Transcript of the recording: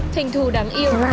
thành thù đáng yêu